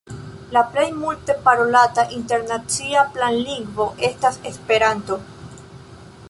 La plej multe parolata internacia planlingvo estas Esperanto.